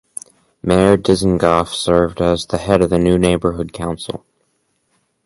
Meir Dizengoff served as the head of the new neighborhood council.